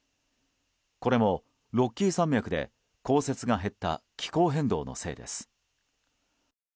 これもロッキー山脈で降雪が減った気候変動のせいです。